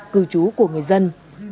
cư trú của người dân